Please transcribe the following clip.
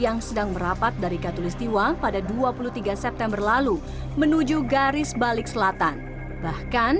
yang sedang merapat dari katulistiwa pada dua puluh tiga september lalu menuju garis balik selatan bahkan